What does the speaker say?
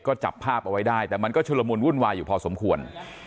ก็จับภาพเอาไว้ได้แต่มันก็ชุลมุนวุ่นวายอยู่พอสมควร